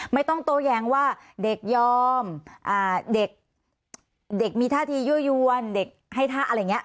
ไม่ต้องโต้แย้งว่าเด็กยอมเด็กมีท่าทียั่วยวนเด็กให้ท่าอะไรอย่างนี้